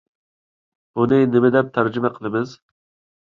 بۇنى نېمە دەپ تەرجىمە قىلىمىز؟